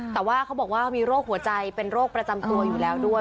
แต่ว่าเขาบอกว่ามีโรคหัวใจเป็นโรคประจำตัวอยู่แล้วด้วย